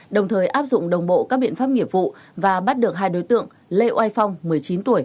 đồng thời áp dụng đồng bộ các biện pháp nghiệp vụ và bắt được hai đối tượng lê oai phong một mươi chín tuổi